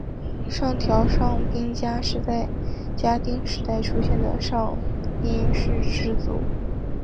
上条上杉家是在室町时代出现的上杉氏支族。